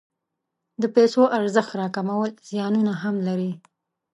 د پیسو ارزښت راکمول زیانونه هم لري.